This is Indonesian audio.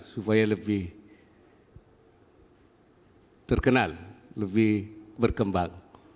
supaya lebih terkenal lebih berkembang